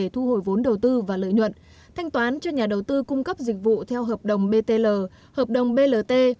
thu và lợi nhuận thanh toán cho nhà đầu tư cung cấp dịch vụ theo hợp đồng btl hợp đồng blt